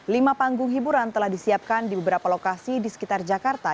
lima panggung hiburan telah disiapkan di beberapa lokasi di sekitar jakarta